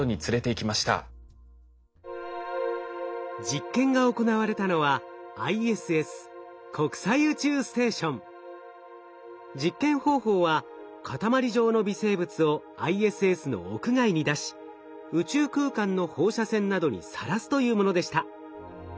実験が行われたのはＩＳＳ実験方法は塊状の微生物をＩＳＳの屋外に出し宇宙空間の放射線などにさらすというものでした。